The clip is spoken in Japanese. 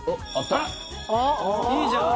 いいじゃん。